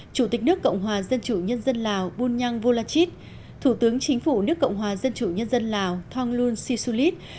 chủ tịch nước cộng hòa dân chủ nhân dân lào bunyang volachit thủ tướng chính phủ nước cộng hòa dân chủ nhân dân lào thonglun sisulit